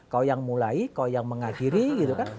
kau yang mulai kau yang mengakhiri gitu kan